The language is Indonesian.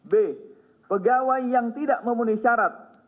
b pegawai yang tidak memenuhi syarat